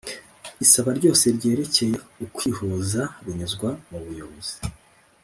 Isaba ryose ryerekeye ukwihuza rinyuzwa mubuyobozi